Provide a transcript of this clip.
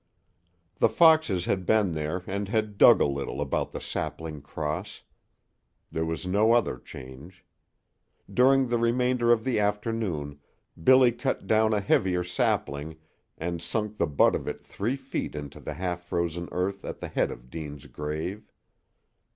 The foxes had been there, and had dug a little about the sapling cross. There was no other change. During the remainder of the forenoon Billy cut down a heavier sapling and sunk the butt of it three feet into the half frozen earth at the head of Deane's grave.